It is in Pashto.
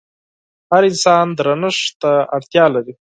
هر انسان درنښت ته اړتيا لري.